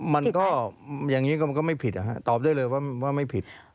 มันก็อย่างนี้ก็มันก็ไม่ผิดตอบได้เลยว่าไม่ผิด